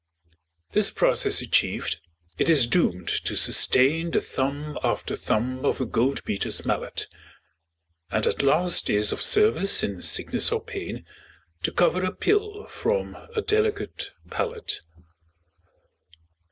This process achiev'd, it is doom'd to sustain The thump after thump of a gold beater's mallet, And at last is of service in sickness or pain To cover a pill from a delicate palate.